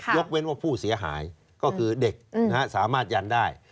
เว้นว่าผู้เสียหายก็คือเด็กสามารถยันได้